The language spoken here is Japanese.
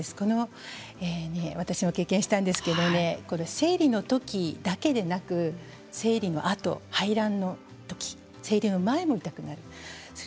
私も経験したんですけれど生理のときだけではなくて生理のあと、排卵のとき生理の前も痛くなります。